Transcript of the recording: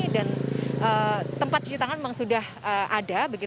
dan tempat cuci tangan memang sudah ada